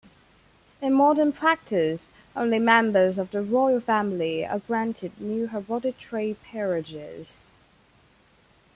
In modern practice, only members of the Royal Family are granted new hereditary peerages.